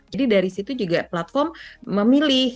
jadi dari situ juga platform memilih